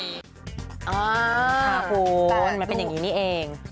พระครูมันเป็นอย่างนี้เอง